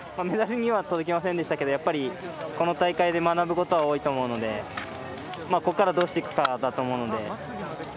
メダルには届きませんでしたがやっぱり、この大会で学ぶことは多いと思うので、ここからどうしていくかだと思うので。